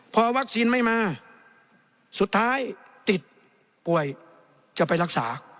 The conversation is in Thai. พอวัคซีนไม่มาสุดท้ายติดป่วยจะไปรักษา